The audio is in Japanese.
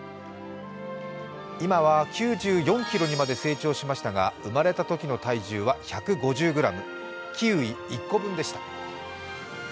今は９４ｋｇにまで成長しましたが生まれたときの体重はおよそ１５０ｇ、キウイ１個分でした。